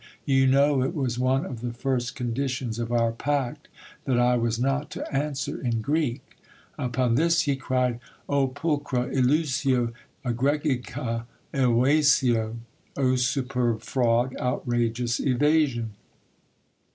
You know it was one of the first conditions of our pact that I was not to answer in Greek.' "Upon this, he cried, 'O pulchra illusio, egregica evasio!' ( O superb fraud, outrageous evasion!)